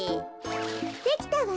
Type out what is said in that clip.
できたわ。